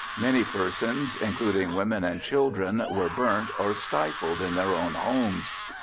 Many persons, including women and children, were burnt or stifled in their own homes.